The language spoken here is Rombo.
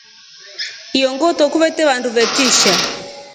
Iyo ngoto kuvetre vandu vatrisha.